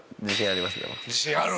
「自信ある！」